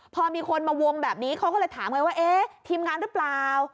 พอมีคนมาวงแบบนี้เขาก็เลยถามไงว่าเอ๊ะทีมงานหรือเปล่า